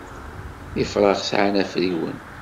Ifrax sɛan afriwen.